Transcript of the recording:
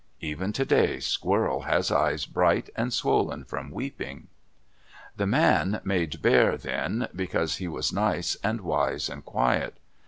Even today Squirrel has eyes bright and swollen from weeping. The man made Bear then, because he was nice and wise and quiet.